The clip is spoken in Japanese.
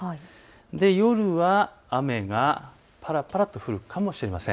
夜は雨がぱらぱらと降るかもしれません。